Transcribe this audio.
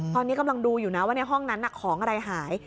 ตอนนี้กำลังดูอยู่นะว่าในห้องนั้นของอะไรหาย